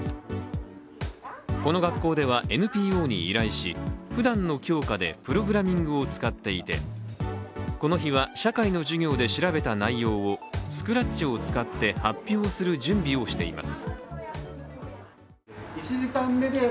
この学校ではＮＰＯに依頼し、ふだんの教科でプログラミングを使っていてこの日は社会の授業で調べた内容をスクラッチを使って発表する準備をしています。